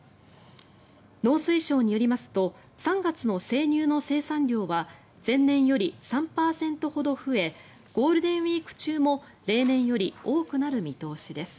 農水省によりますと３月の生乳の生産量は前年より３％ほど増えゴールデンウィーク中も例年より多くなる見通しです。